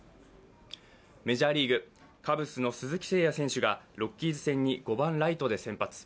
メジャーリーグ、カブスの鈴木誠也選手がロッキーズ戦に５番・ライトで先発。